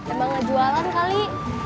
emang gak jualan kali